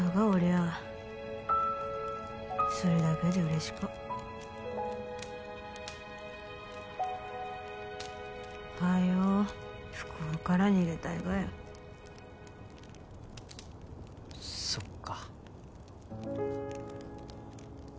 あそれだけで嬉しかはよう不幸から逃げたいがよそっか